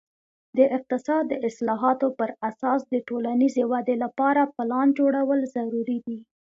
د اقتصاد د اصلاحاتو پر اساس د ټولنیزې ودې لپاره پلان جوړول ضروري دي.